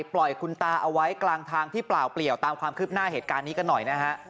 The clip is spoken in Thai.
ปล่อยคุณตาเอาไว้กลางทางที่เปล่าเปลี่ยวตามความคืบหน้าเหตุการณ์นี้กันหน่อยนะฮะ